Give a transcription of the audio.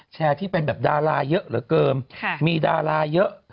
ที่เป็นแบบดาราเยอะเหลือเกินมีดาราเยอะ